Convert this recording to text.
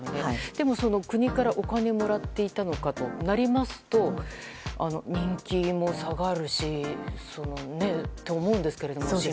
でも、国からお金をもらっていたのかとなりますと人気も下がると思うんですが。